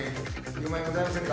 ９万円ございませんか？